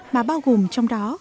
mà bao gồm trong đó